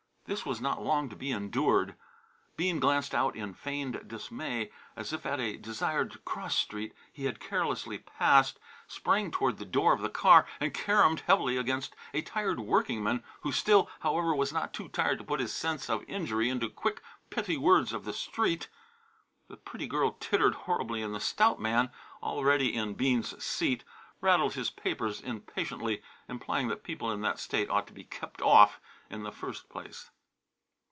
This was not long to be endured. Bean glanced out in feigned dismay, as if at a desired cross street he had carelessly passed, sprang toward the door of the car and caromed heavily against a tired workingman who still, however, was not too tired to put his sense of injury into quick, pithy words of the street. The pretty girl tittered horribly and the stout man, already in Bean's seat, rattled his papers impatiently, implying that people in that state ought to be kept off in the first place.